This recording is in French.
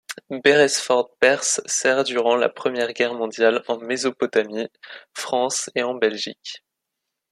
Beresford-Peirse sert durant la Première Guerre mondiale en Mésopotamie, France et en Belgique.